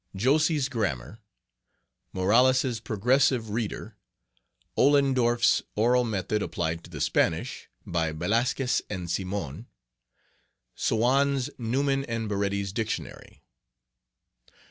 Josse's Grammar. Morales' Progressive Reader. Ollen Dorff's Oral Method applied to the Spanish, by Velasquez and Simonne. Seoane's Neuman and Baretti's Dictionary.